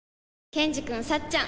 ケンジくんさっちゃん